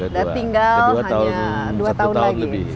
dan tinggal hanya dua tahun lagi